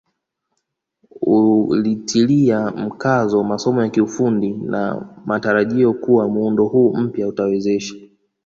Ulitilia mkazo masomo ya kiufundi kwa matarajio kuwa muundo huu mpya utawawezesha